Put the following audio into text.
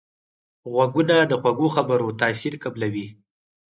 غوږونه د خوږو خبرو تاثیر قبلوي